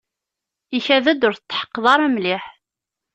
Ikad-d ur tetḥeqqeḍ ara mliḥ.